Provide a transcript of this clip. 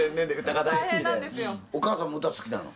お母さんも歌好きなの？